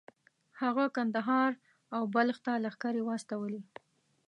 هغه کندهار او بلخ ته لښکرې واستولې.